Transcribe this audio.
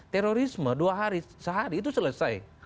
terorisme dua hari sehari itu selesai